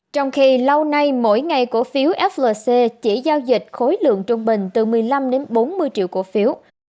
trong khi lâu nay mỗi ngày cổ phiếu flc chỉ giao dịch khối lượng trung bình từ một mươi năm bốn mươi triệu cổ phiếu